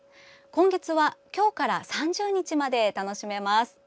今月は今日から３０日まで楽しめます。